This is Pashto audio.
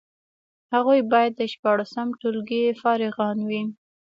هغوی باید د شپاړسم ټولګي فارغان وي.